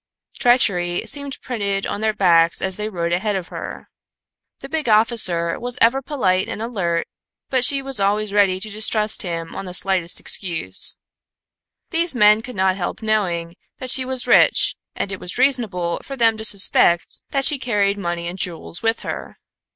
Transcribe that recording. Treachery seemed printed on their backs as they rode ahead of her. The big officer was ever polite and alert, but she was ready to distrust him on the slightest excuse. These men could not help knowing that she was rich, and it was reasonable for them to suspect that she carried money and jewels with her.